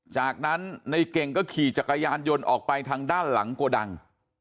จากนั้นในเก่งก็ขี่จักรยานยนต์ออกไปทางด้านหลังโกดัง